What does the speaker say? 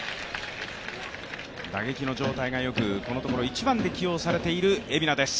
打撃の状態がよく、このところ１番で起用されている蝦名です。